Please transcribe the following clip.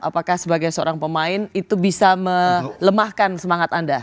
apakah sebagai seorang pemain itu bisa melemahkan semangat anda